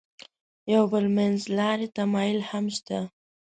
یو بل منځلاری تمایل هم شته.